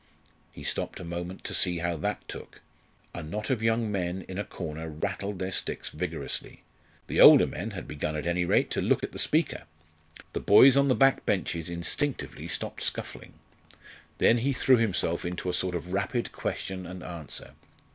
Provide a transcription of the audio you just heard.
He stopped a moment to see how that took. A knot of young men in a corner rattled their sticks vigorously. The older men had begun at any rate to look at the speaker. The boys on the back benches instinctively stopped scuffling. Then he threw himself into a sort of rapid question and answer.